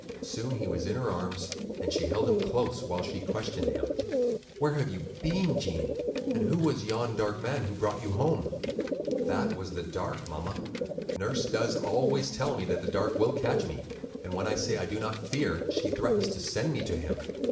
Soon he was in her arms; and she held him close, while she questioned him. "Where have you been, Gene, and who was yon dark man who brought you home?" "That was the Dark, mamma. Nurse does always tell me that the Dark will catch me; and when I say that I do not fear, she threatens to send me to him.